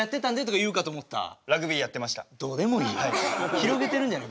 広げてるんじゃない。